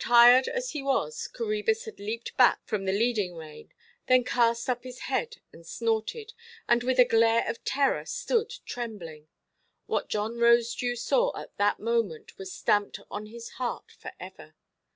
Tired as he was, Coræbus had leaped back from the leading rein, then cast up his head and snorted, and with a glare of terror stood trembling. What John Rosedew saw at that moment was stamped on his heart for ever.